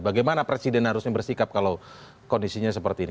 bagaimana presiden harusnya bersikap kalau kondisinya seperti ini